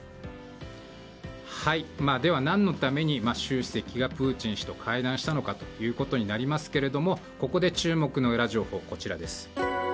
では、何のために習主席がプーチン氏と会談したのかということになりますけれどもここで注目のウラ情報こちらです。